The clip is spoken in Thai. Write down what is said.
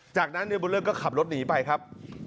จากนั้นนายบุญเลิศก็ขับรถหนีไปครับ